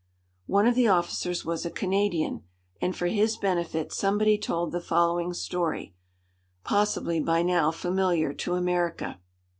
One of the officers was a Canadian, and for his benefit somebody told the following story, possibly by now familiar to America.